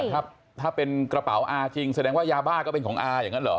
ถ้าเป็นกระเป๋าอาจริงแสดงว่ายาบ้าก็เป็นของอาอย่างนั้นเหรอ